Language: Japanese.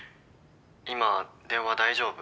今電話大丈夫？」